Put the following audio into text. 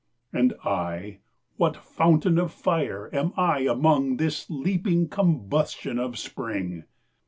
And I, what fountain of fire am I amongThis leaping combustion of spring?